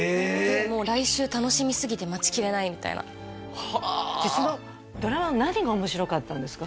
もう来週楽しみすぎて待ちきれないみたいなでそのドラマの何が面白かったんですか？